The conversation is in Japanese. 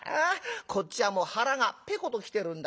こっちはもう腹がペコと来てるんだ。